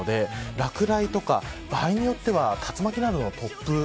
落雷とか場合によっては竜巻などの突風